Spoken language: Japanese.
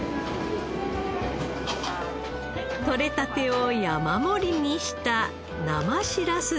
取れたてを山盛りにした生しらす丼です。